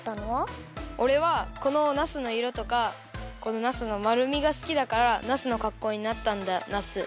おれはこのナスのいろとかこのナスのまるみがすきだからナスのかっこうになったんだナス。